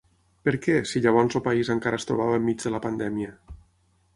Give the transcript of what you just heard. Per què, si llavors el país encara es trobava enmig de la pandèmia?